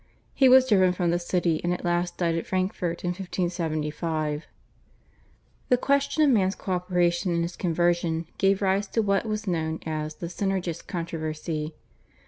He was driven from the city and at last died at Frankfurt in 1575. The question of man's co operation in his conversion gave rise to what was known as the /Synergist/ controversy.